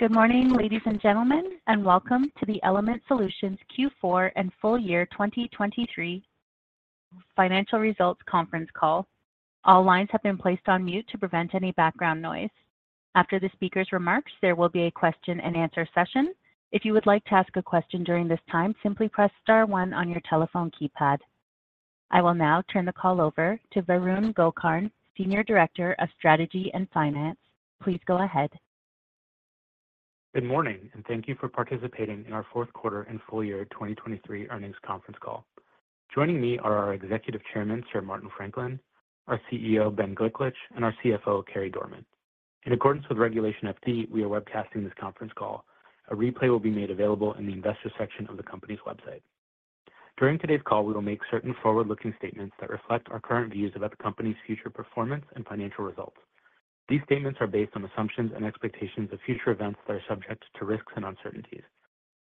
Good morning, ladies and gentlemen, and welcome to the Element Solutions Q4 and full year 2023 financial results conference call. All lines have been placed on mute to prevent any background noise. After the speaker's remarks, there will be a Q&A session. If you would like to ask a question during this time, simply press star 1 on your telephone keypad. I will now turn the call over to Varun Gokarn, Senior Director of Strategy and Finance. Please go ahead. Good morning, and thank you for participating in our Q4 and full year 2023 earnings conference call. Joining me are our Executive Chairman, Sir Martin Franklin, our CEO, Ben Gliklich, and our CFO, Carey Dorman. In accordance with Regulation FD, we are webcasting this conference call. A replay will be made available in the investor section of the company's website. During today's call, we will make certain forward-looking statements that reflect our current views about the company's future performance and financial results. These statements are based on assumptions and expectations of future events that are subject to risks and uncertainties.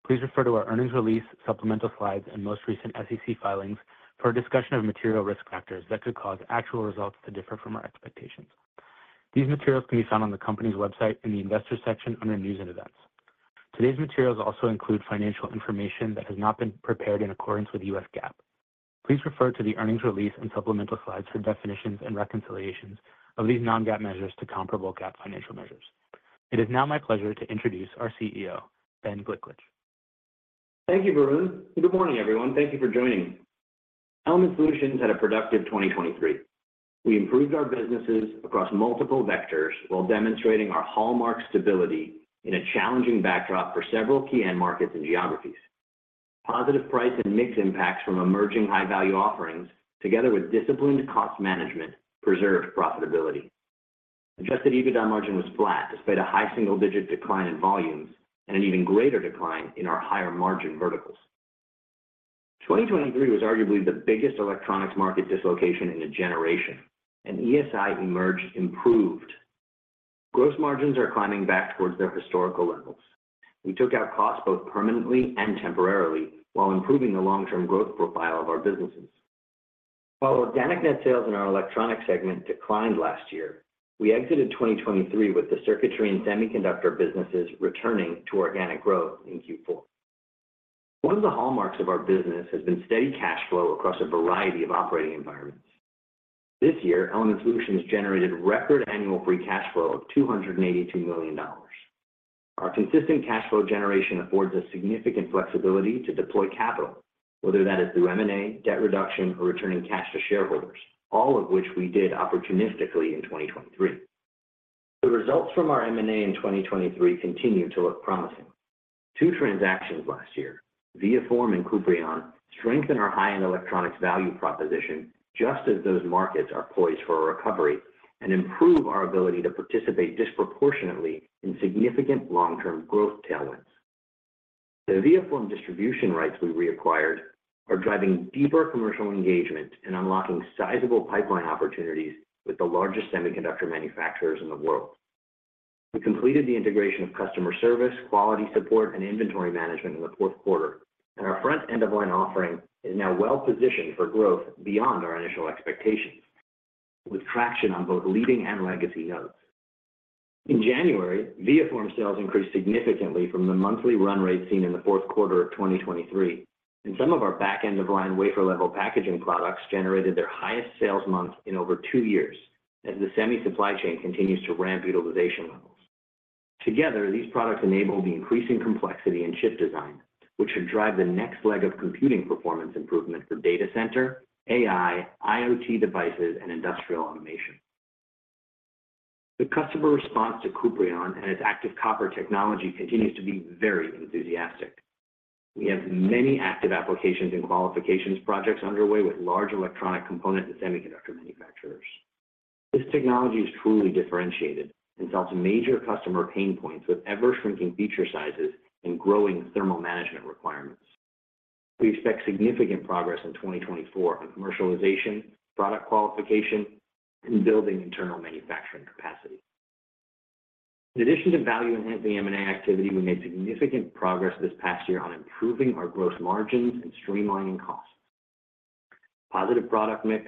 Please refer to our earnings release, supplemental slides, and most recent SEC filings for a discussion of material risk factors that could cause actual results to differ from our expectations. These materials can be found on the company's website in the investor section under News and Events. Today's materials also include financial information that has not been prepared in accordance with U.S. GAAP. Please refer to the earnings release and supplemental slides for definitions and reconciliations of these non-GAAP measures to comparable GAAP financial measures. It is now my pleasure to introduce our CEO, Ben Gliklich. Thank you, Varun. Good morning, everyone. Thank you for joining. Element Solutions had a productive 2023. We improved our businesses across multiple vectors while demonstrating our hallmark stability in a challenging backdrop for several key end markets and geographies. Positive price and mix impacts from emerging high-value offerings, together with disciplined cost management, preserved profitability. Adjusted EBITDA margin was flat despite a high single-digit decline in volumes and an even greater decline in our higher margin verticals. 2023 was arguably the biggest electronics market dislocation in a generation, and ESI emerged improved. Gross margins are climbing back towards their historical levels. We took out costs both permanently and temporarily while improving the long-term growth profile of our businesses. While organic net sales in our electronics segment declined last year, we exited 2023 with the circuitry and semiconductor businesses returning to organic growth in Q4. One of the hallmarks of our business has been steady cash flow across a variety of operating environments. This year, Element Solutions generated record annual free cash flow of $282 million. Our consistent cash flow generation affords us significant flexibility to deploy capital, whether that is through M&A, debt reduction, or returning cash to shareholders, all of which we did opportunistically in 2023. The results from our M&A in 2023 continue to look promising. Two transactions last year, ViaForm and Kuprion, strengthen our high-end electronics value proposition just as those markets are poised for a recovery and improve our ability to participate disproportionately in significant long-term growth tailwinds. The ViaForm distribution rights we reacquired are driving deeper commercial engagement and unlocking sizable pipeline opportunities with the largest semiconductor manufacturers in the world. We completed the integration of customer service, quality support, and inventory management in the Q4, and our front-end of line offering is now well-positioned for growth beyond our initial expectations, with traction on both leading and legacy nodes. In January, ViaForm sales increased significantly from the monthly run rate seen in the Q4 of 2023, and some of our back-end of line wafer-level packaging products generated their highest sales month in over two years as the semi-supply chain continues to ramp utilization levels. Together, these products enable the increasing complexity in chip design, which should drive the next leg of computing performance improvement for data center, AI, IoT devices, and industrial automation. The customer response to Kuprion and its active copper technology continues to be very enthusiastic. We have many active applications and qualifications projects underway with large electronic component and semiconductor manufacturers. This technology is truly differentiated and solves major customer pain points with ever-shrinking feature sizes and growing thermal management requirements. We expect significant progress in 2024 on commercialization, product qualification, and building internal manufacturing capacity. In addition to value-enhancing M&A activity, we made significant progress this past year on improving our gross margins and streamlining costs. Positive product mix,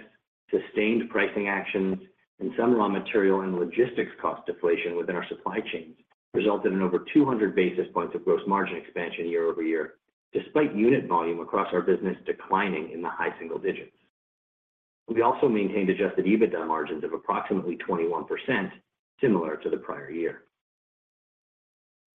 sustained pricing actions, and some raw material and logistics cost deflation within our supply chains resulted in over 200 basis points of gross margin expansion year-over-year, despite unit volume across our business declining in the high single digits. We also maintained Adjusted EBITDA margins of approximately 21%, similar to the prior year.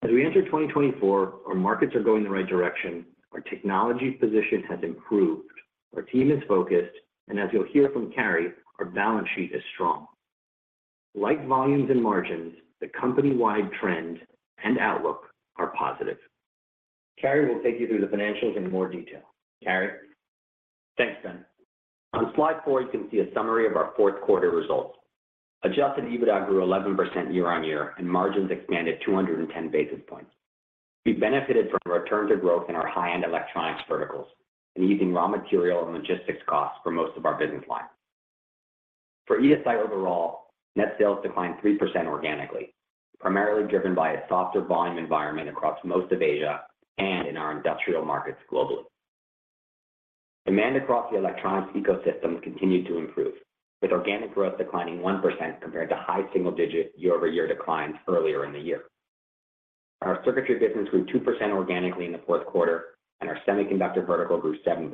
As we enter 2024, our markets are going the right direction. Our technology position has improved. Our team is focused, and as you'll hear from Carey, our balance sheet is strong. Like volumes and margins, the company-wide trend and outlook are positive. Carey will take you through the financials in more detail. Carey? Thanks, Ben. On slide 4, you can see a summary of our Q4 results. Adjusted EBITDA grew 11% year-on-year, and margins expanded 210 basis points. We benefited from return to growth in our high-end electronics verticals and easing raw material and logistics costs for most of our business lines. For ESI overall, net sales declined 3% organically, primarily driven by a softer volume environment across most of Asia and in our industrial markets globally. Demand across the electronics ecosystem continued to improve, with organic growth declining 1% compared to high single-digit year-over-year declines earlier in the year. Our circuitry business grew 2% organically in the Q4, and our semiconductor vertical grew 7%.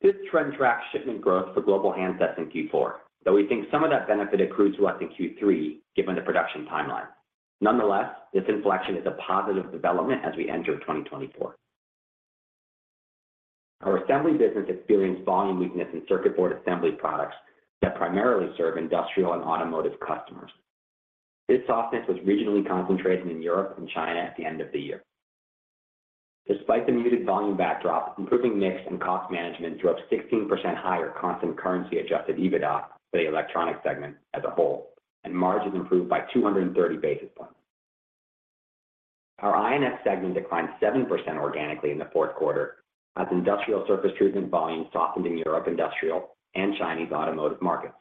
This trend tracks shipment growth for global handsets in Q4, though we think some of that benefit accrued to us in Q3 given the production timeline. Nonetheless, this inflection is a positive development as we enter 2024. Our assembly business experienced volume weakness in circuit board assembly products that primarily serve industrial and automotive customers. This softness was regionally concentrated in Europe and China at the end of the year. Despite the muted volume backdrop, improving mix and cost management drove 16% higher constant currency-adjusted EBITDA for the electronics segment as a whole, and margins improved by 230 basis points. Our I&S segment declined 7% organically in the Q4 as industrial surface treatment volumes softened in Europe industrial and Chinese automotive markets.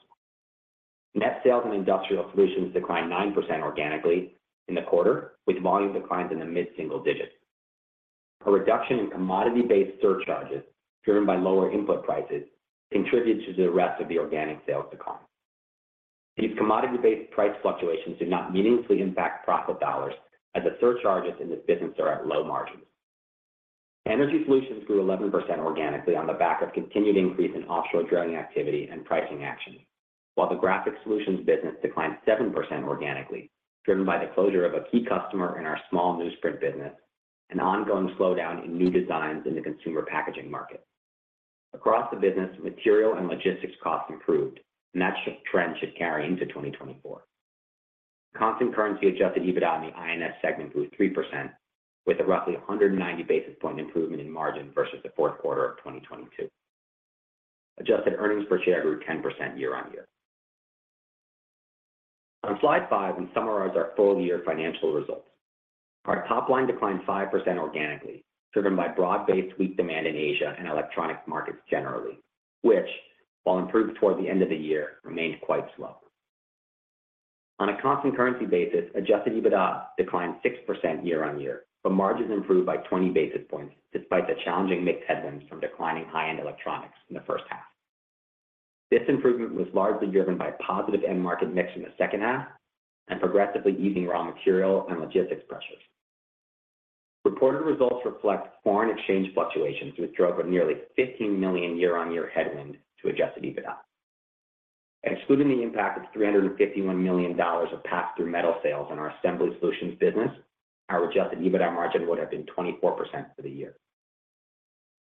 Net sales in Industrial Solutions declined 9% organically in the quarter, with volume declines in the mid-single digit. A reduction in commodity-based surcharges driven by lower input prices contributed to the rest of the organic sales decline. These commodity-based price fluctuations do not meaningfully impact profit dollars as the surcharges in this business are at low margins. Energy Solutions grew 11% organically on the back of continued increase in offshore drilling activity and pricing action, while the Graphics Solutions business declined 7% organically driven by the closure of a key customer in our small newsprint business and ongoing slowdown in new designs in the consumer packaging market. Across the business, material and logistics costs improved, and that trend should carry into 2024. Constant currency-adjusted EBITDA in the I&S segment grew 3% with a roughly 190 basis point improvement in margin versus the Q4 of 2022. Adjusted earnings per share grew 10% year-on-year. On slide 5, we summarize our full year financial results. Our top line declined 5% organically driven by broad-based weak demand in Asia and electronics markets generally, which, while improved toward the end of the year, remained quite slow. On a constant currency basis, Adjusted EBITDA declined 6% year-on-year, but margins improved by 20 basis points despite the challenging mix headwinds from declining high-end electronics in the H1. This improvement was largely driven by positive end-market mix in the H2 and progressively easing raw material and logistics pressures. Reported results reflect foreign exchange fluctuations, which drove a nearly $15 million year-on-year headwind to Adjusted EBITDA. Excluding the impact of $351 million of pass-through metal sales in our assembly solutions business, our Adjusted EBITDA margin would have been 24% for the year.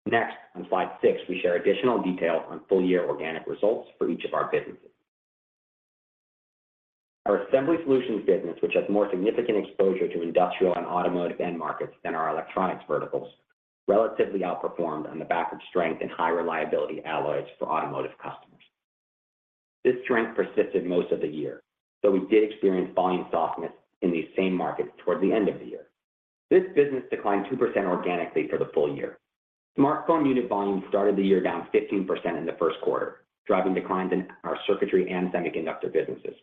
Next, on slide six, we share additional details on full year organic results for each of our businesses. Our assembly solutions business, which has more significant exposure to industrial and automotive end markets than our electronics verticals, relatively outperformed on the back of strength and high reliability alloys for automotive customers. This strength persisted most of the year, though we did experience volume softness in these same markets toward the end of the year. This business declined 2% organically for the full year. Smartphone unit volume started the year down 15% in the Q1, driving declines in our circuitry and semiconductor businesses.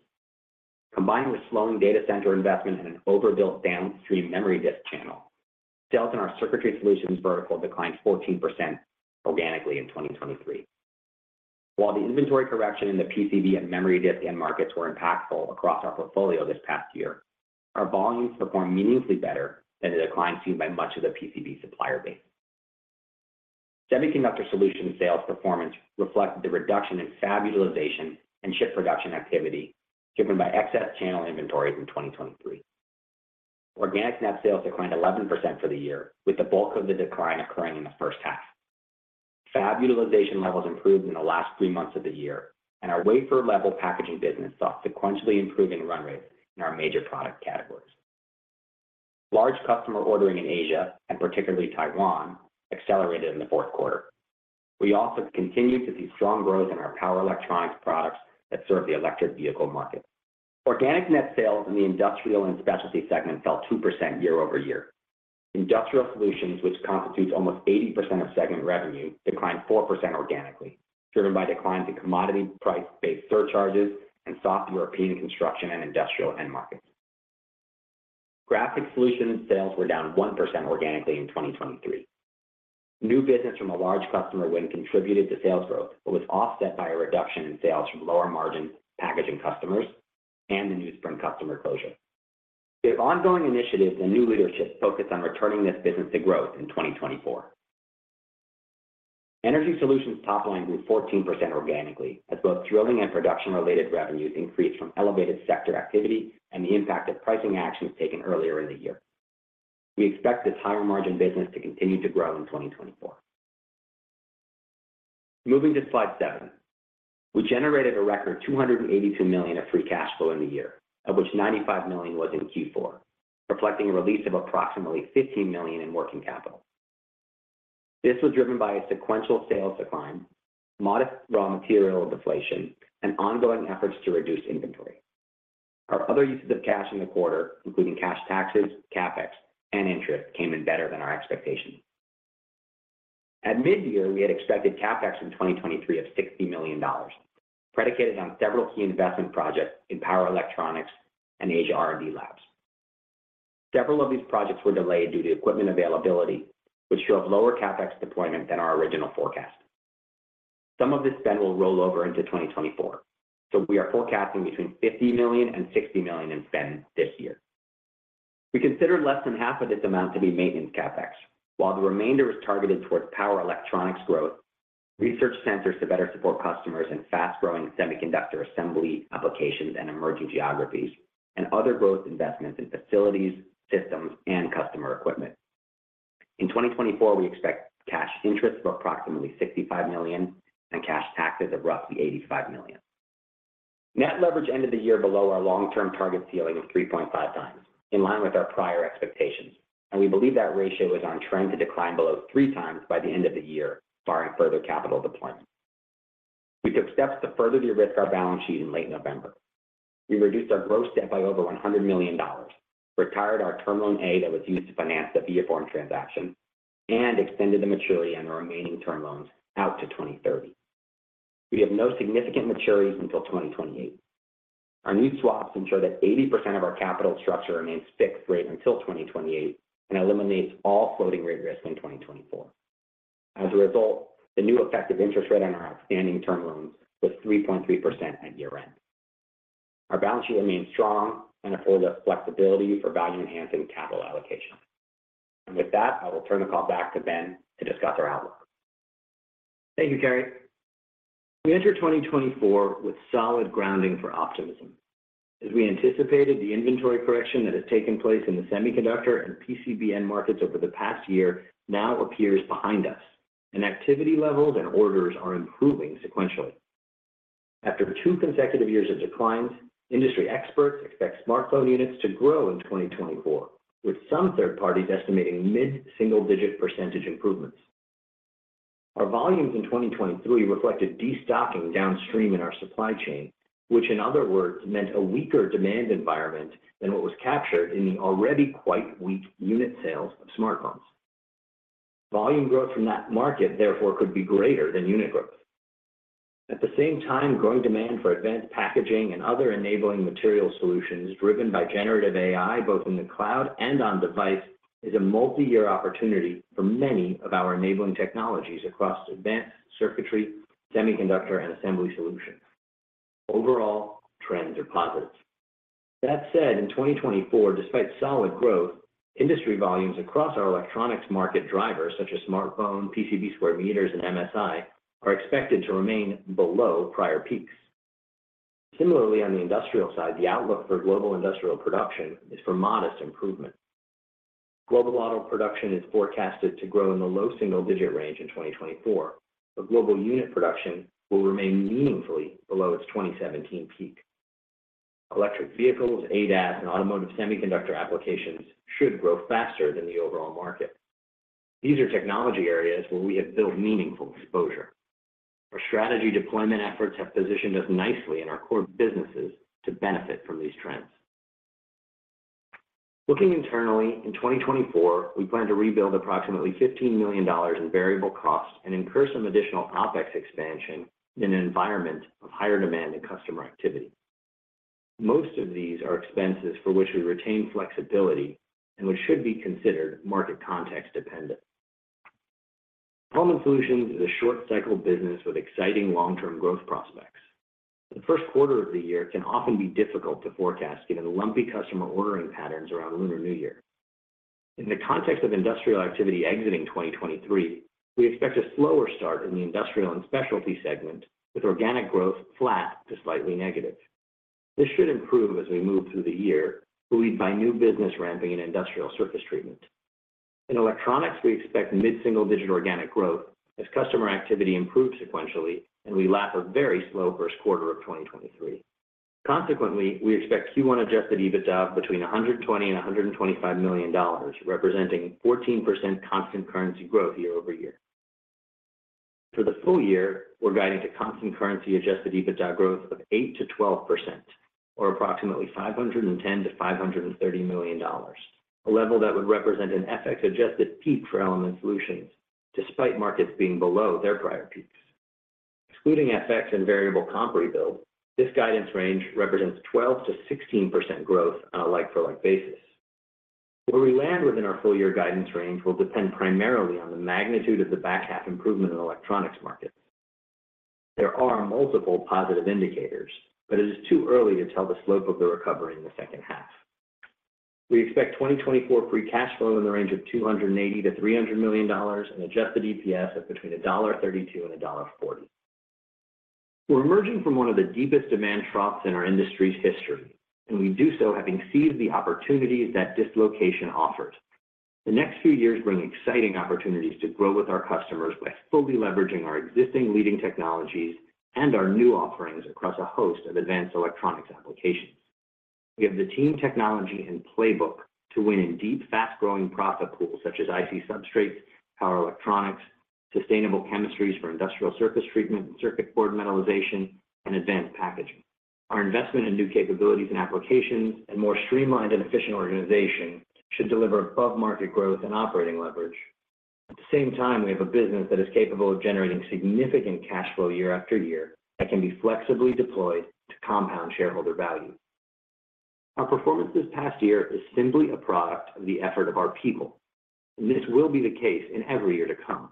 Combined with slowing data center investment and an overbuilt downstream memory disk channel, sales in our Circuitry Solutions vertical declined 14% organically in 2023. While the inventory correction in the PCB and memory disk end markets were impactful across our portfolio this past year, our volumes performed meaningfully better than the decline seen by much of the PCB supplier base. Semiconductor Solutions sales performance reflected the reduction in Fab utilization and chip production activity driven by excess channel inventories in 2023. Organic net sales declined 11% for the year, with the bulk of the decline occurring in the H1. Fab utilization levels improved in the last three months of the year, and our wafer-level packaging business saw sequentially improving run rates in our major product categories. Large customer ordering in Asia, and particularly Taiwan, accelerated in the Q4. We also continued to see strong growth in our power electronics products that serve the electric vehicle market. Organic net sales in the industrial and specialty segment fell 2% year-over-year. Industrial solutions, which constitute almost 80% of segment revenue, declined 4% organically driven by declines in commodity price-based surcharges and soft European construction and industrial end markets. Graphics solutions sales were down 1% organically in 2023. New business from a large customer win contributed to sales growth but was offset by a reduction in sales from lower-margin packaging customers and the newsprint customer closure. We have ongoing initiatives and new leadership focused on returning this business to growth in 2024. Energy solutions top line grew 14% organically as both drilling and production-related revenues increased from elevated sector activity and the impact of pricing actions taken earlier in the year. We expect this higher-margin business to continue to grow in 2024. Moving to slide seven, we generated a record $282 million of free cash flow in the year, of which $95 million was in Q4, reflecting a release of approximately $15 million in working capital. This was driven by a sequential sales decline, modest raw material deflation, and ongoing efforts to reduce inventory. Our other uses of cash in the quarter, including cash taxes, CapEx, and interest, came in better than our expectations. At mid-year, we had expected CapEx in 2023 of $60 million, predicated on several key investment projects in power electronics and Asia R&D labs. Several of these projects were delayed due to equipment availability, which showed lower CapEx deployment than our original forecast. Some of this spend will roll over into 2024, so we are forecasting between $50 million-$60 million in spend this year. We considered less than half of this amount to be maintenance CapEx, while the remainder was targeted towards power electronics growth, research centers to better support customers, and fast-growing semiconductor assembly applications and emerging geographies, and other growth investments in facilities, systems, and customer equipment. In 2024, we expect cash interest of approximately $65 million and cash taxes of roughly $85 million. Net leverage ended the year below our long-term target ceiling of 3.5x, in line with our prior expectations, and we believe that ratio is on trend to decline below 3x by the end of the year barring further capital deployment. We took steps to further de-risk our balance sheet in late November. We reduced our gross debt by over $100 million, retired our Term Loan A that was used to finance the ViaForm transaction, and extended the maturity on the remaining term loans out to 2030. We have no significant maturities until 2028. Our new swaps ensure that 80% of our capital structure remains fixed rate until 2028 and eliminates all floating rate risk in 2024. As a result, the new effective interest rate on our outstanding term loans was 3.3% at year-end. Our balance sheet remains strong and affords us flexibility for value-enhancing capital allocation. With that, I will turn the call back to Ben to discuss our outlook. Thank you, Carey. We enter 2024 with solid grounding for optimism. As we anticipated, the inventory correction that has taken place in the semiconductor and PCB end markets over the past year now appears behind us, and activity levels and orders are improving sequentially. After two consecutive years of declines, industry experts expect smartphone units to grow in 2024, with some third parties estimating mid-single-digit percentage improvements. Our volumes in 2023 reflected destocking downstream in our supply chain, which, in other words, meant a weaker demand environment than what was captured in the already quite weak unit sales of smartphones. Volume growth from that market, therefore, could be greater than unit growth. At the same time, growing demand for advanced packaging and other enabling material solutions driven by generative AI both in the cloud and on device is a multi-year opportunity for many of our enabling technologies across advanced circuitry, semiconductor, and assembly solutions. Overall, trends are positive. That said, in 2024, despite solid growth, industry volumes across our electronics market drivers such as smartphone, PCB square meters, and MSI are expected to remain below prior peaks. Similarly, on the industrial side, the outlook for global industrial production is for modest improvement. Global auto production is forecasted to grow in the low single-digit range in 2024, but global unit production will remain meaningfully below its 2017 peak. Electric vehicles, ADAS, and automotive semiconductor applications should grow faster than the overall market. These are technology areas where we have built meaningful exposure. Our strategy deployment efforts have positioned us nicely in our core businesses to benefit from these trends. Looking internally, in 2024, we plan to rebuild approximately $15 million in variable costs and incur some additional OpEx expansion in an environment of higher demand and customer activity. Most of these are expenses for which we retain flexibility and which should be considered market context dependent. Performance solutions is a short-cycle business with exciting long-term growth prospects. The Q1 of the year can often be difficult to forecast given lumpy customer ordering patterns around Lunar New Year. In the context of industrial activity exiting 2023, we expect a slower start in the industrial and specialty segment with organic growth flat to slightly negative. This should improve as we move through the year, led by new business ramping and industrial surface treatment. In electronics, we expect mid-single-digit organic growth as customer activity improves sequentially, and we lap a very slow Q1 of 2023. Consequently, we expect Q1 Adjusted EBITDA between $120 and $125 million, representing 14% constant currency growth year-over-year. For the full year, we're guiding to constant currency-Adjusted EBITDA growth of 8%-12% or approximately $510-$530 million, a level that would represent an FX-adjusted peak for Element Solutions despite markets being below their prior peaks. Excluding FX and variable comp rebuild, this guidance range represents 12%-16% growth on a like-for-like basis. Where we land within our full year guidance range will depend primarily on the magnitude of the back half improvement in electronics markets. There are multiple positive indicators, but it is too early to tell the slope of the recovery in the second half. We expect 2024 free cash flow in the range of $280-$300 million and Adjusted EPS at between $1.32 and $1.40. We're emerging from one of the deepest demand troughs in our industry's history, and we do so having seized the opportunities that dislocation offered. The next few years bring exciting opportunities to grow with our customers by fully leveraging our existing leading technologies and our new offerings across a host of advanced electronics applications. We have the team technology and playbook to win in deep, fast-growing profit pools such as IC substrates, power electronics, sustainable chemistries for industrial surface treatment and circuit board metallization, and advanced packaging. Our investment in new capabilities and applications and more streamlined and efficient organization should deliver above-market growth and operating leverage. At the same time, we have a business that is capable of generating significant cash flow year after year that can be flexibly deployed to compound shareholder value. Our performance this past year is simply a product of the effort of our people, and this will be the case in every year to come.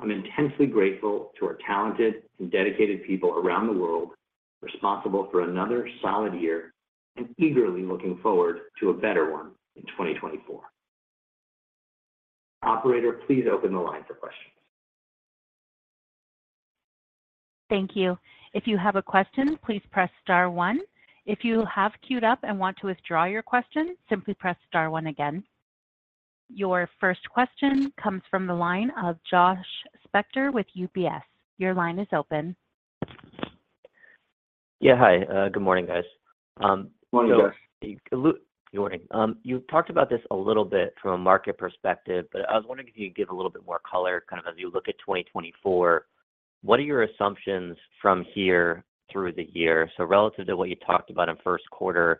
I'm intensely grateful to our talented and dedicated people around the world responsible for another solid year and eagerly looking forward to a better one in 2024. Operator, please open the line for questions. Thank you. If you have a question, please press star one. If you have queued up and want to withdraw your question, simply press star one again. Your first question comes from the line of Josh Spector with UBS. Your line is open. Yeah, hi. Good morning, guys. Morning, Josh. Good morning. You talked about this a little bit from a market perspective, but I was wondering if you could give a little bit more color kind of as you look at 2024. What are your assumptions from here through the year? So relative to what you talked about in Q1,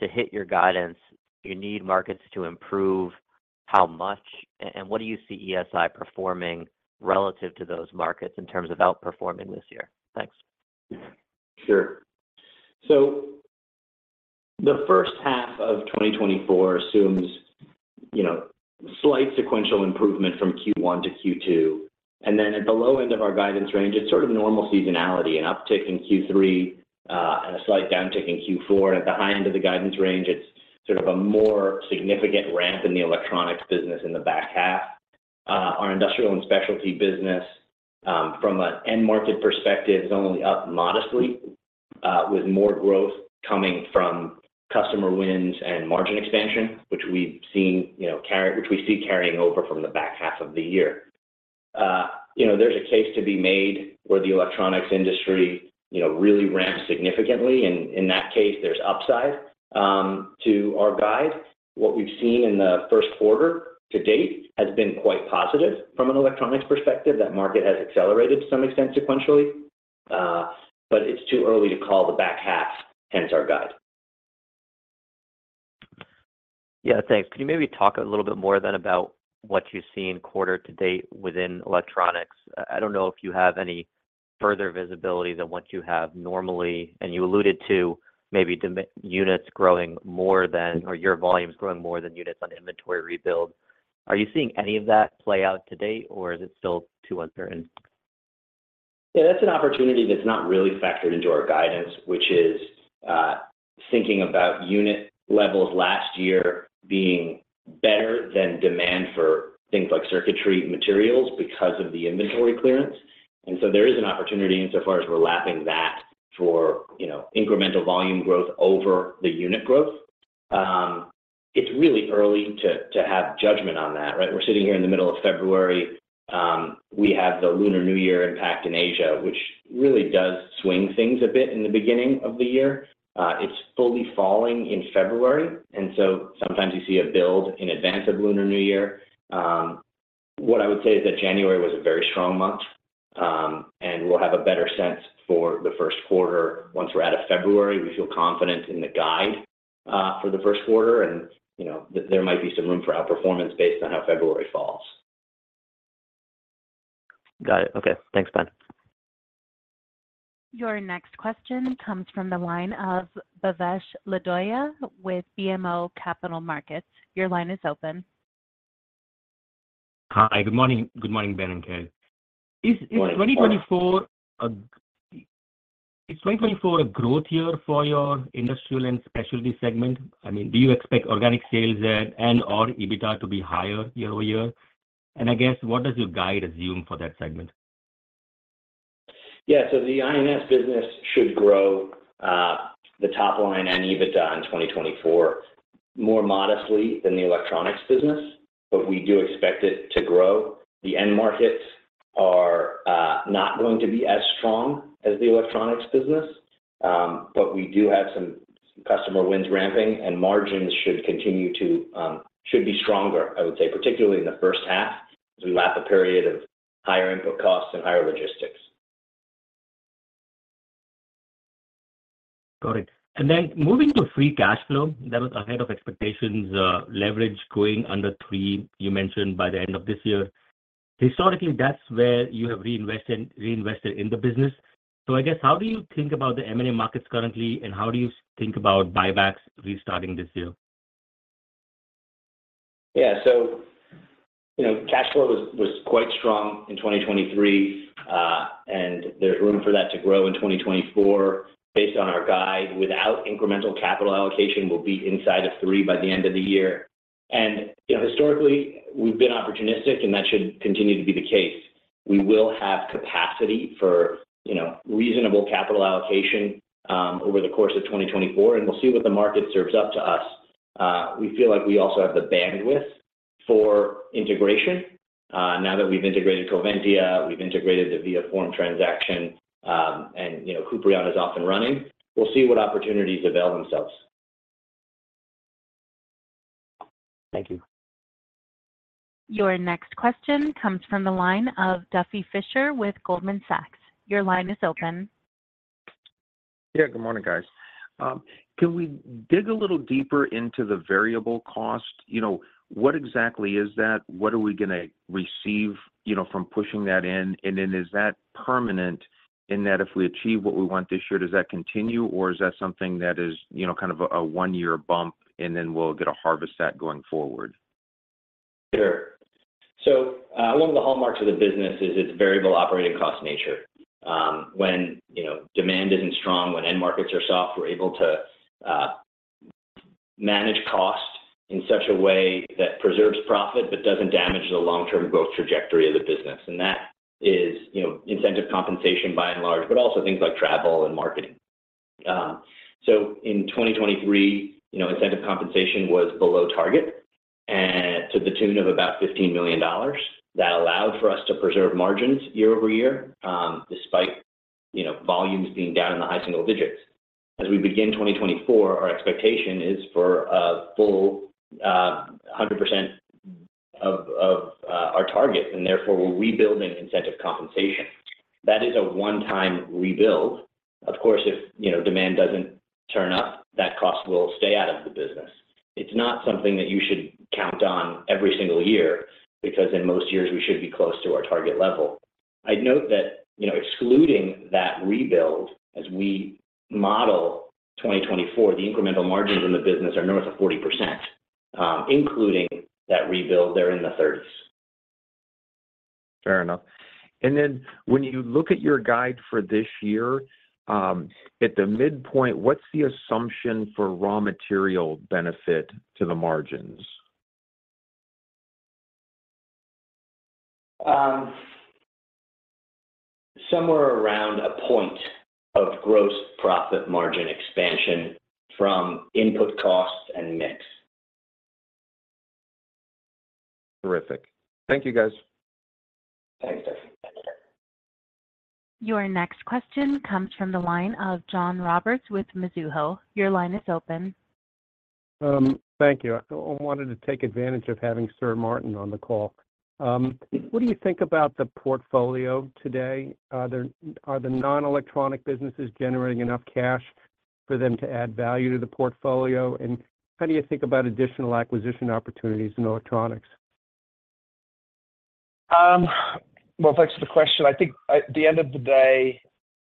to hit your guidance, you need markets to improve. How much? And what do you see ESI performing relative to those markets in terms of outperforming this year? Thanks. Sure. The H1 of 2024 assumes slight sequential improvement from Q1 to Q2. Then at the low end of our guidance range, it's sort of normal seasonality: an uptick in Q3 and a slight downtick in Q4. At the high end of the guidance range, it's sort of a more significant ramp in the electronics business in the back half. Our industrial and specialty business, from an end-market perspective, is only up modestly with more growth coming from customer wins and margin expansion, which we've seen, which we see carrying over from the back half of the year. There's a case to be made where the electronics industry really ramps significantly. In that case, there's upside to our guide. What we've seen in the Q1 to date has been quite positive from an electronics perspective. That market has accelerated to some extent sequentially, but it's too early to call the back half, hence our guide. Yeah, thanks. Can you maybe talk a little bit more then about what you've seen quarter to date within electronics? I don't know if you have any further visibility than what you have normally. You alluded to maybe units growing more than or your volumes growing more than units on inventory rebuild. Are you seeing any of that play out to date, or is it still too uncertain? Yeah, that's an opportunity that's not really factored into our guidance, which is thinking about unit levels last year being better than demand for things like circuitry materials because of the inventory clearance. And so there is an opportunity insofar as we're lapping that for incremental volume growth over the unit growth. It's really early to have judgment on that, right? We're sitting here in the middle of February. We have the Lunar New Year impact in Asia, which really does swing things a bit in the beginning of the year. It's fully falling in February, and so sometimes you see a build in advance of Lunar New Year. What I would say is that January was a very strong month, and we'll have a better sense for the Q1 once we're out of February. We feel confident in the guide for the Q1, and there might be some room for outperformance based on how February falls. Got it. Okay. Thanks, Ben. Your next question comes from the line of Bhavesh Lodaya with BMO Capital Markets. Your line is open. Hi. Good morning. Good morning, Ben and Carey. Is 2024 a growth year for your industrial and specialty segment? I mean, do you expect organic sales and/or EBITDA to be higher year-over-year? I guess, what does your guide assume for that segment? Yeah. So the I&S business should grow the top line and EBITDA in 2024 more modestly than the electronics business, but we do expect it to grow. The end markets are not going to be as strong as the electronics business, but we do have some customer wins ramping, and margi should continue to be stronger, I would say, particularly in the first half as we lap a period of higher input costs and higher logistics. Got it. And then moving to free cash flow, that was ahead of expectations, leverage going under 3, you mentioned, by the end of this year. Historically, that's where you have reinvested in the business. So I guess, how do you think about the M&A markets currently, and how do you think about buybacks restarting this year? Yeah. So cash flow was quite strong in 2023, and there's room for that to grow in 2024 based on our guide. Without incremental capital allocation, we'll be inside of three by the end of the year. Historically, we've been opportunistic, and that should continue to be the case. We will have capacity for reasonable capital allocation over the course of 2024, and we'll see what the market serves up to us. We feel like we also have the bandwidth for integration. Now that we've integrated Coventya, we've integrated the ViaForm transaction, and Kuprion is off and running, we'll see what opportunities avail themselves. Thank you. Your next question comes from the line of Duffy Fischer with Goldman Sachs. Your line is open. Yeah. Good morning, guys. Can we dig a little deeper into the variable cost? What exactly is that? What are we going to receive from pushing that in? And then is that permanent in that if we achieve what we want this year, does that continue, or is that something that is kind of a one-year bump, and then we'll get a harvest at going forward? Sure. So one of the hallmarks of the business is its variable operating cost nature. When demand isn't strong, when end markets are soft, we're able to manage cost in such a way that preserves profit but doesn't damage the long-term growth trajectory of the business. And that is incentive compensation by and large, but also things like travel and marketing. So in 2023, incentive compensation was below target to the tune of about $15 million. That allowed for us to preserve margins year-over-year despite volumes being down in the high single digits. As we begin 2024, our expectation is for a full 100% of our target, and therefore, we'll rebuild in incentive compensation. That is a one-time rebuild. Of course, if demand doesn't turn up, that cost will stay out of the business. It's not something that you should count on every single year because in most years, we should be close to our target level. I'd note that excluding that rebuild, as we model 2024, the incremental margins in the business are north of 40%. Including that rebuild, they're in the 30s. Fair enough. And then when you look at your guide for this year, at the midpoint, what's the assumption for raw material benefit to the margins? Somewhere around a point of gross profit margin expansion from input costs and mix. Terrific. Thank you, guys. Thanks, Duffy. Your next question comes from the line of John Roberts with Mizuho. Your line is open. Thank you. I wanted to take advantage of having Sir Martin on the call. What do you think about the portfolio today? Are the non-electronic businesses generating enough cash for them to add value to the portfolio? How do you think about additional acquisition opportunities in electronics? Well, thanks for the question. I think at the end of the day,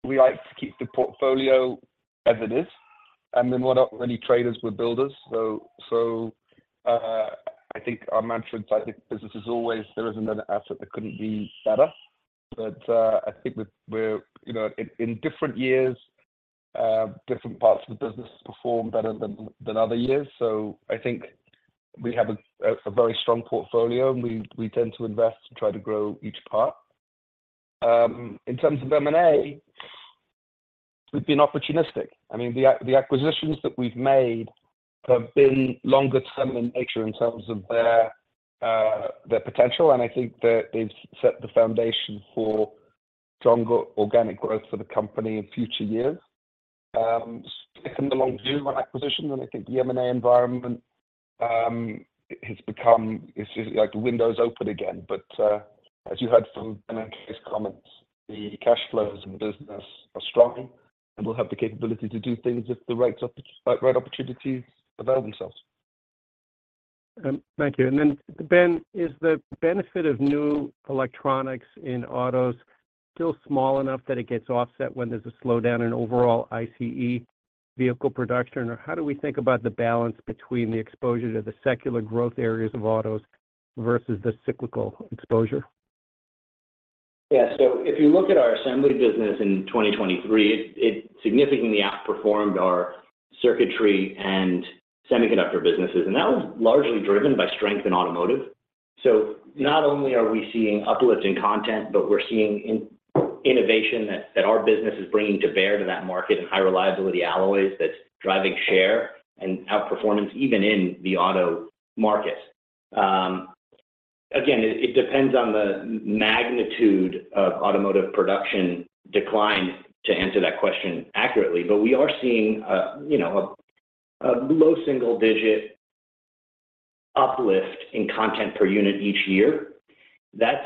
we like to keep the portfolio as it is. I mean, we're not really traders; we're builders. So I think our mantra inside the business is always, "There is another asset that couldn't be better." But I think we're in different years, different parts of the business perform better than other years. So I think we have a very strong portfolio, and we tend to invest and try to grow each part. In terms of M&A, we've been opportunistic. I mean, the acquisitions that we've made have been longer-term in nature in terms of their potential, and I think that they've set the foundation for stronger organic growth for the company in future years. Sticking to the long view on acquisitions, and I think the M&A environment has become. It's just like the window's open again. As you heard from Ben and Carey's comments, the cash flows of the business are strong, and we'll have the capability to do things if the right opportunities avail themselves. Thank you. Then, Ben, is the benefit of new electronics in autos still small enough that it gets offset when there's a slowdown in overall ICE vehicle production? Or how do we think about the balance between the exposure to the secular growth areas of autos versus the cyclical exposure? Yeah. So if you look at our assembly business in 2023, it significantly outperformed our circuitry and semiconductor businesses, and that was largely driven by strength in automotive. So not only are we seeing uplift in content, but we're seeing innovation that our business is bringing to bear to that market and high-reliability alloys that's driving share and outperformance even in the auto market. Again, it depends on the magnitude of automotive production decline to answer that question accurately, but we are seeing a low single-digit uplift in content per unit each year. That's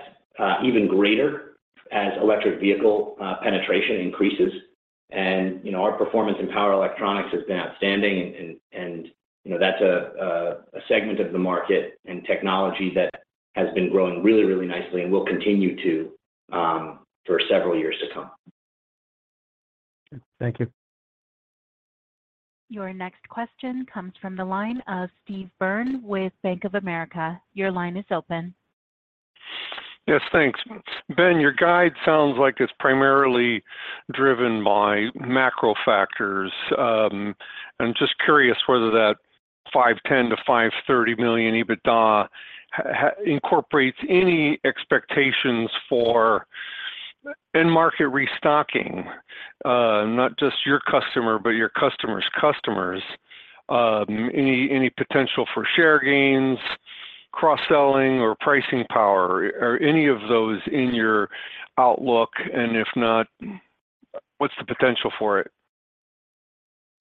even greater as electric vehicle penetration increases. And our performance in power electronics has been outstanding, and that's a segment of the market and technology that has been growing really, really nicely and will continue to for several years to come. Thank you. Your next question comes from the line of Steve Byrne with Bank of America. Your line is open. Yes, thanks. Ben, your guidance sounds like it's primarily driven by macro factors. I'm just curious whether that $510 million-$530 million EBITDA incorporates any expectations for end-market restocking, not just your customer, but your customer's customers, any potential for share gains, cross-selling, or pricing power, or any of those in your outlook? And if not, what's the potential for it?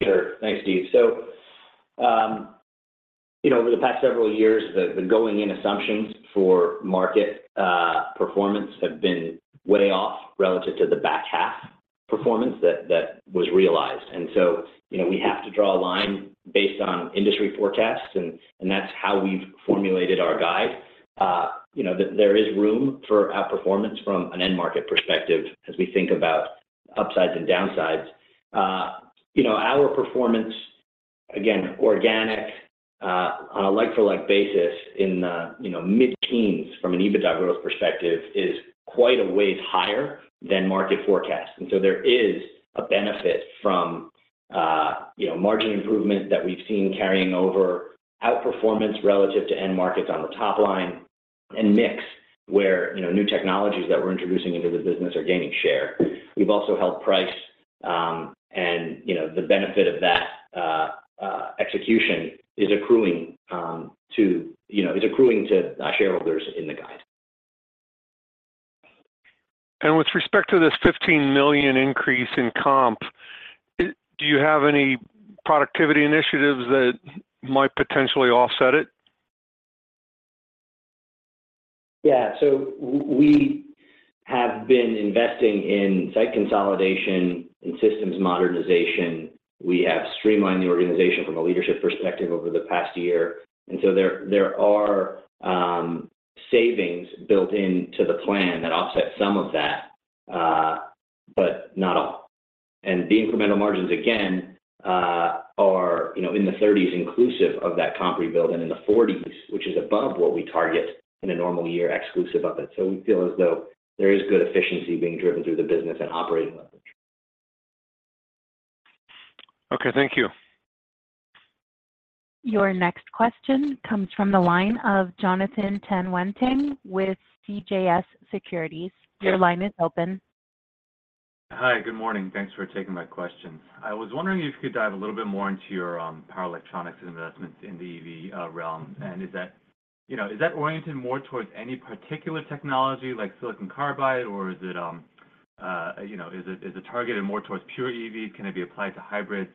Sure. Thanks, Steve. So over the past several years, the going-in assumptions for market performance have been way off relative to the back-half performance that was realized. And so we have to draw a line based on industry forecasts, and that's how we've formulated our guide. There is room for outperformance from an end-market perspective as we think about upsides and downsides. Our performance, again, organic, on a like-for-like basis in the mid-teens from an EBITDA growth perspective, is quite a ways higher than market forecasts. And so there is a benefit from margin improvement that we've seen carrying over outperformance relative to end markets on the top line and mix where new technologies that we're introducing into the business are gaining share. We've also held price, and the benefit of that execution is accruing to shareholders in the guide. With respect to this $15 million increase in comp, do you have any productivity initiatives that might potentially offset it? Yeah. So we have been investing in site consolidation and systems modernization. We have streamlined the organization from a leadership perspective over the past year. And so there are savings built into the plan that offset some of that, but not all. And the incremental margins, again, are in the 30s inclusive of that comp rebuild and in the 40s, which is above what we target in a normal year exclusive of it. So we feel as though there is good efficiency being driven through the business and operating leverage. Okay. Thank you. Your next question comes from the line of Jonathan Tanwanteng with CJS Securities. Your line is open. Hi. Good morning. Thanks for taking my question. I was wondering if you could dive a little bit more into your power electronics investments in the EV realm. And is that oriented more towards any particular technology like silicon carbide, or is it targeted more towards pure EV? Can it be applied to hybrids,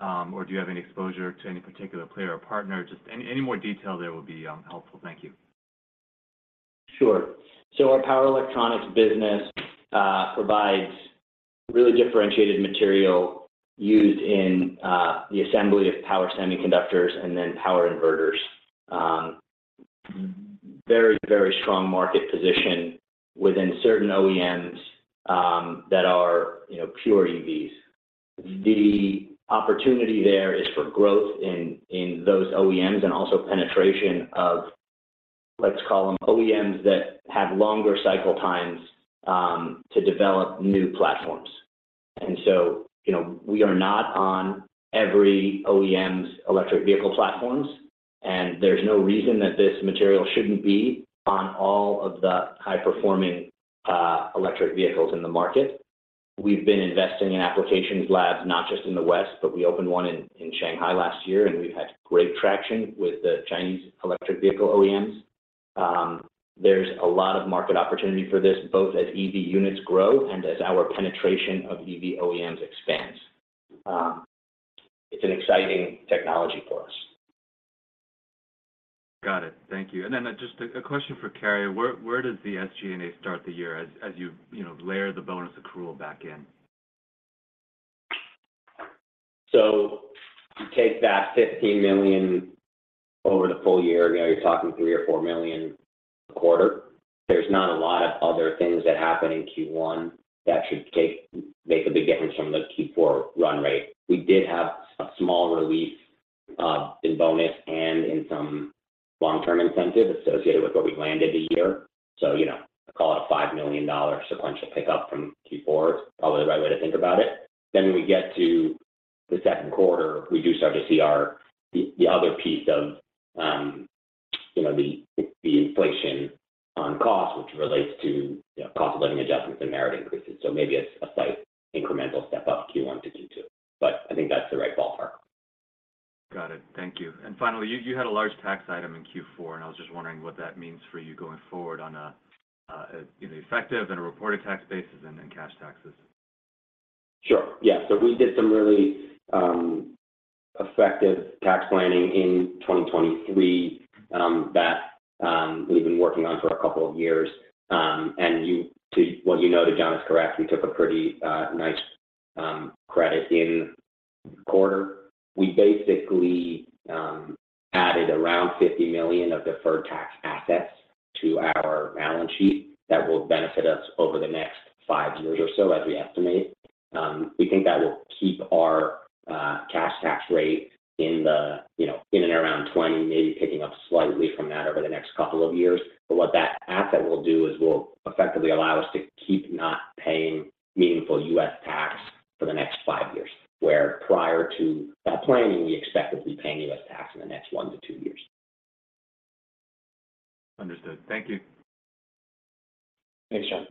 or do you have any exposure to any particular player or partner? Just any more detail there would be helpful. Thank you. Sure. So our power electronics business provides really differentiated material used in the assembly of power semiconductors and then power inverters. Very, very strong market position within certain OEMs that are pure EVs. The opportunity there is for growth in those OEMs and also penetration of, let's call them, OEMs that have longer cycle times to develop new platforms. And so we are not on every OEM's electric vehicle platforms, and there's no reason that this material shouldn't be on all of the high-performing electric vehicles in the market. We've been investing in applications labs, not just in the West, but we opened one in Shanghai last year, and we've had great traction with the Chinese electric vehicle OEMs. There's a lot of market opportunity for this, both as EV units grow and as our penetration of EV OEMs expands. It's an exciting technology for us. Got it. Thank you. And then just a question for Carey. Where does the SG&A start the year as you layer the bonus accrual back in? So you take that $15 million over the full year, you're talking $3 million or $4 million a quarter. There's not a lot of other things that happen in Q1 that should make a big difference from the Q4 run rate. We did have a small relief in bonus and in some long-term incentive associated with where we landed the year. So call it a $5 million sequential pickup from Q4 is probably the right way to think about it. Then when we get to the Q2, we do start to see the other piece of the inflation on cost, which relates to cost of living adjustments and merit increases. So maybe it's a slight incremental step up Q1 to Q2. But I think that's the right ballpark. Got it. Thank you. And finally, you had a large tax item in Q4, and I was just wondering what that means for you going forward on the effective and reported tax bases and cash taxes? Sure. Yeah. So we did some really effective tax planning in 2023 that we've been working on for a couple of years. And what you noted, John, is correct. We took a pretty nice credit in quarter. We basically added around $50 million of deferred tax assets to our balance sheet that will benefit us over the next five years or so as we estimate. We think that will keep our cash tax rate in and around 20%, maybe picking up slightly from that over the next couple of years. But what that asset will do is effectively allow us to keep not paying meaningful US tax for the next five years, where prior to that planning, we expect to be paying US tax in the next 1-2 years. Understood. Thank you. Thanks, John.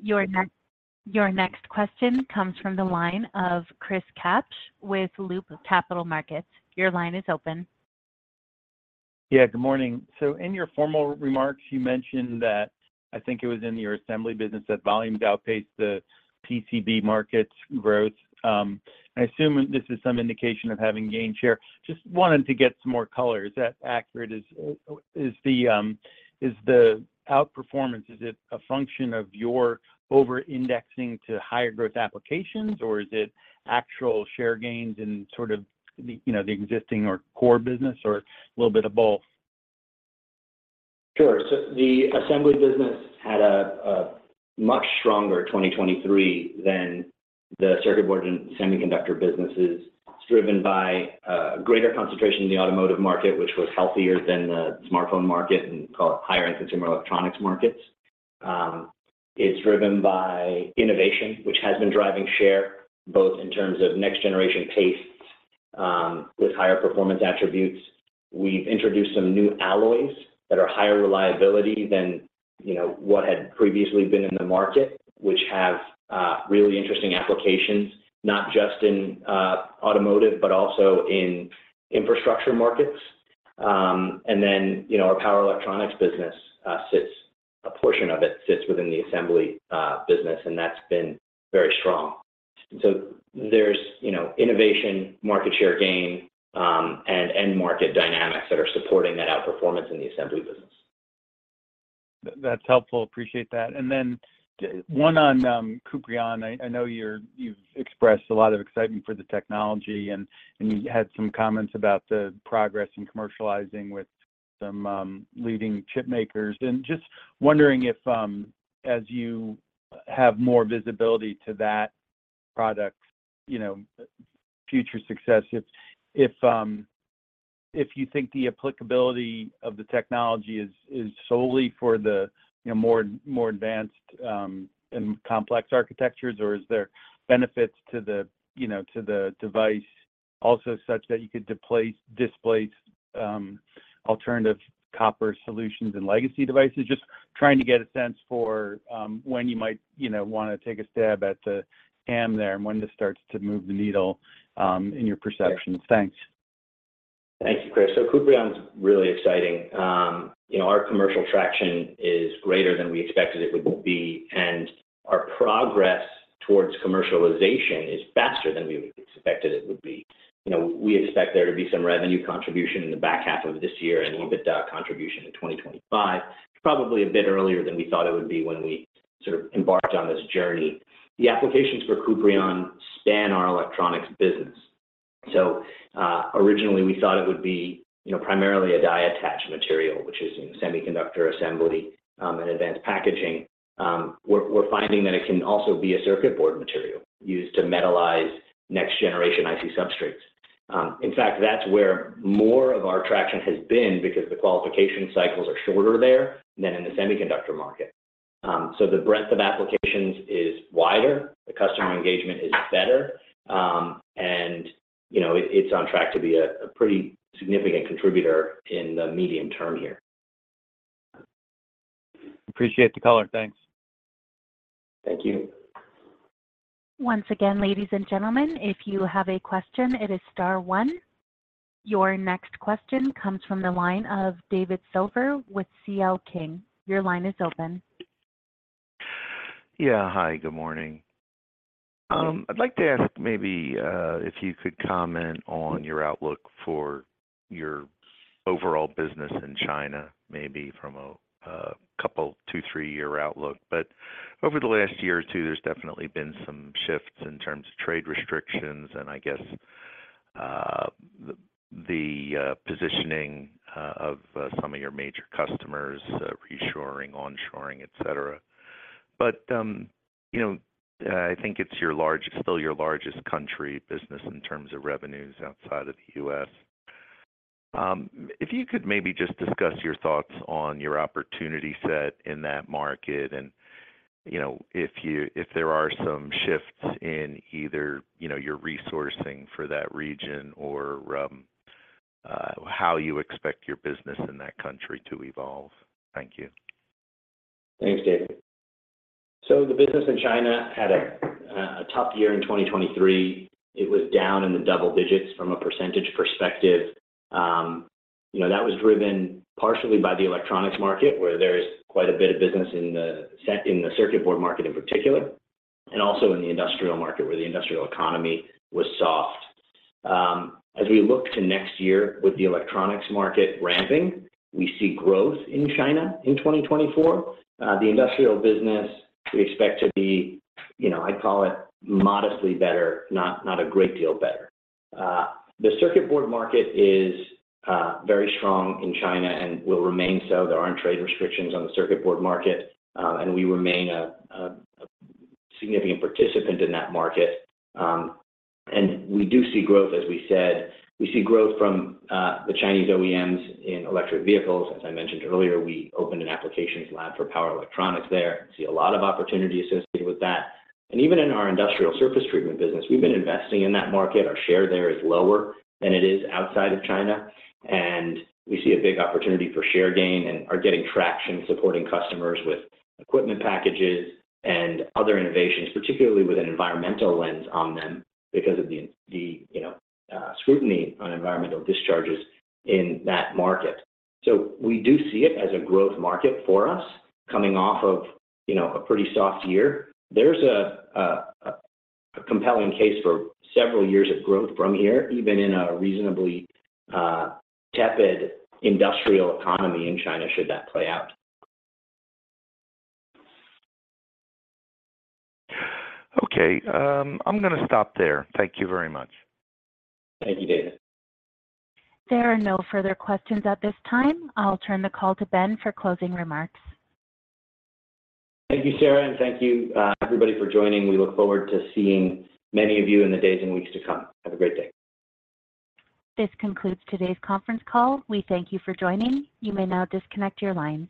Your next question comes from the line of Chris Kapsch with Loop Capital Markets. Your line is open. Yeah. Good morning. So in your formal remarks, you mentioned that I think it was in your assembly business that volumes outpaced the PCB market's growth. I assume this is some indication of having gained share. Just wanted to get some more color. Is that accurate? Is the outperformance, is it a function of your over-indexing to higher growth applications, or is it actual share gains in sort of the existing or core business or a little bit of both? Sure. So the assembly business had a much stronger 2023 than the circuit board and semiconductor businesses. It's driven by a greater concentration in the automotive market, which was healthier than the smartphone market and call it higher-end consumer electronics markets. It's driven by innovation, which has been driving share, both in terms of next-generation paces with higher performance attributes. We've introduced some new alloys that are higher reliability than what had previously been in the market, which have really interesting applications, not just in automotive but also in infrastructure markets. And then our power electronics business sits a portion of it sits within the assembly business, and that's been very strong. And so there's innovation, market share gain, and end-market dynamics that are supporting that outperformance in the assembly business. That's helpful. Appreciate that. And then one on Kuprion. I know you've expressed a lot of excitement for the technology, and you had some comments about the progress in commercializing with some leading chip makers. And just wondering if, as you have more visibility to that product, future success, if you think the applicability of the technology is solely for the more advanced and complex architectures, or is there benefits to the device also such that you could displace alternative copper solutions and legacy devices? Just trying to get a sense for when you might want to take a stab at the TAM there and when this starts to move the needle in your perceptions. Thanks. Thank you, Chris. So Kuprion's really exciting. Our commercial traction is greater than we expected it would be, and our progress towards commercialization is faster than we expected it would be. We expect there to be some revenue contribution in the back half of this year and EBITDA contribution in 2025, probably a bit earlier than we thought it would be when we sort of embarked on this journey. The applications for Kuprion span our electronics business. So originally, we thought it would be primarily a die-attach material, which is semiconductor assembly and advanced packaging. We're finding that it can also be a circuit board material used to metalize next-generation IC substrates. In fact, that's where more of our traction has been because the qualification cycles are shorter there than in the semiconductor market. So the breadth of applications is wider. The customer engagement is better, and it's on track to be a pretty significant contributor in the medium term here. Appreciate the color. Thanks. Thank you. Once again, ladies and gentlemen, if you have a question, it is star one. Your next question comes from the line of David Silver with CL King. Your line is open. Yeah. Hi. Good morning. I'd like to ask maybe if you could comment on your outlook for your overall business in China, maybe from a couple, 2, 3-year outlook. But over the last year or 2, there's definitely been some shifts in terms of trade restrictions and, I guess, the positioning of some of your major customers, reshoring, onshoring, etc. But I think it's still your largest country business in terms of revenues outside of the U.S. If you could maybe just discuss your thoughts on your opportunity set in that market and if there are some shifts in either your resourcing for that region or how you expect your business in that country to evolve. Thank you. Thanks, David. So the business in China had a tough year in 2023. It was down in the double digits from a percentage perspective. That was driven partially by the electronics market, where there's quite a bit of business in the circuit board market in particular, and also in the industrial market where the industrial economy was soft. As we look to next year, with the electronics market ramping, we see growth in China in 2024. The industrial business, we expect to be, I'd call it, modestly better, not a great deal better. The circuit board market is very strong in China and will remain so. There aren't trade restrictions on the circuit board market, and we remain a significant participant in that market. And we do see growth, as we said. We see growth from the Chinese OEMs in electric vehicles. As I mentioned earlier, we opened an applications lab for power electronics there. We see a lot of opportunity associated with that. And even in our industrial surface treatment business, we've been investing in that market. Our share there is lower than it is outside of China. And we see a big opportunity for share gain and are getting traction supporting customers with equipment packages and other innovations, particularly with an environmental lens on them because of the scrutiny on environmental discharges in that market. So we do see it as a growth market for us coming off of a pretty soft year. There's a compelling case for several years of growth from here, even in a reasonably tepid industrial economy in China should that play out. Okay. I'm going to stop there. Thank you very much. Thank you, David. There are no further questions at this time. I'll turn the call to Ben for closing remarks. Thank you, Sarah, and thank you, everybody, for joining. We look forward to seeing many of you in the days and weeks to come. Have a great day. This concludes today's conference call. We thank you for joining. You may now disconnect your lines.